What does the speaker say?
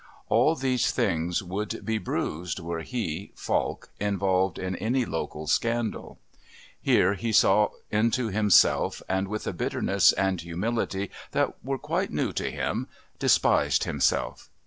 All these things would be bruised were he, Falk, involved in any local scandal. Here he saw into himself and, with a bitterness and humility that were quite new to him, despised himself.